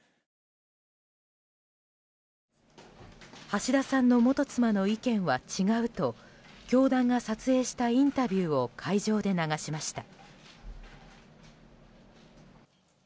橋田さんの元妻の意見は違うと教団が撮影したインタビューを会場で流しました。